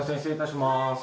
失礼いたします。